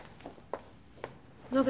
野口